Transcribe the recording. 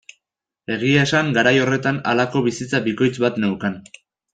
Egia esan garai horretan halako bizitza bikoitz bat neukan.